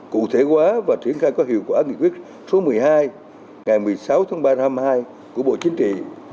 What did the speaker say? cụ thể hóa và triển khai có hiệu quả nghị quyết số một mươi hai ngày một mươi sáu tháng ba năm hai mươi hai của bộ chính trị